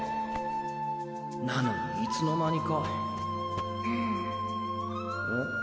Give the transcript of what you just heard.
なのにいつの間にかふむん？